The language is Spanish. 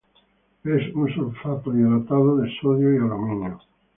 Es un sulfato hidratado de sodio y aluminio.